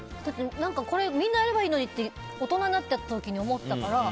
これみんなやればいいのに大人になった時に思ったから。